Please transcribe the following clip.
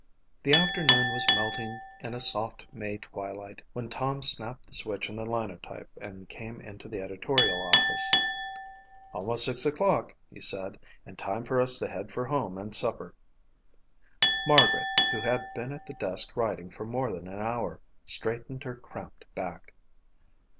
The afternoon was melting in a soft May twilight when Tom snapped the switch on the Linotype and came into the editorial office. "Almost six o'clock," he said, "and time for us to head for home and supper." Margaret, who had been at the desk writing for more than an hour, straightened her cramped back.